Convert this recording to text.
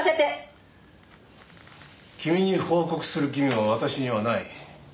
君に報告する義務は私にはない。